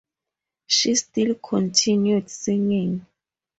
She still continued singing.